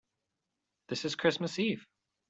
This is Christmas Eve.